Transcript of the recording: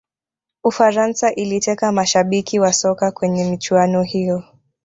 ufaransa iliteka mashabiki wa soka kwenye michuano hiyo